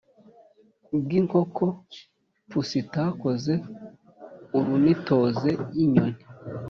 bw inkoko pusitakoze orunitoze y inyoni